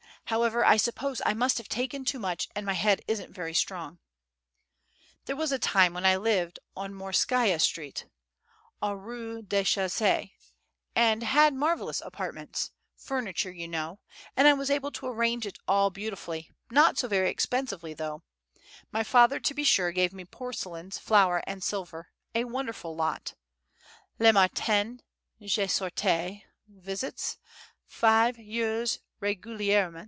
However, I suppose I must have taken too much, and my head isn't very strong. [Footnote: ET JE N'AI PAS LA TETE FORTE.] There was a time when I lived on Morskaia Street, AU REZ DE CHAUSSEE, and had marvellous apartments, furniture, you know, and I was able to arrange it all beautifully, not so very expensively though; my father, to be sure, gave me porcelains, flowers, and silver a wonderful lot. Le matin je sortais, visits, 5 heures regulierement.